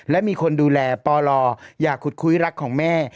และมีคนดูแลปลอยากขุดคุยรักของแม่